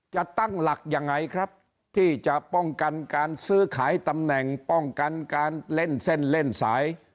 จะตั้งหลักยังไงครับที่จะป้องกันการซื้อขายตำแหน่งป้องกันการเล่นเส้นเล่นสาย